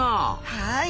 はい。